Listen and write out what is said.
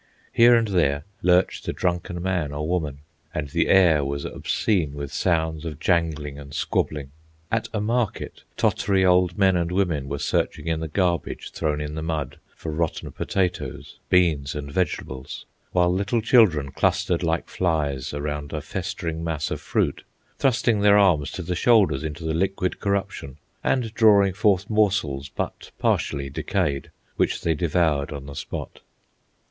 Here and there lurched a drunken man or woman, and the air was obscene with sounds of jangling and squabbling. At a market, tottery old men and women were searching in the garbage thrown in the mud for rotten potatoes, beans, and vegetables, while little children clustered like flies around a festering mass of fruit, thrusting their arms to the shoulders into the liquid corruption, and drawing forth morsels but partially decayed, which they devoured on the spot.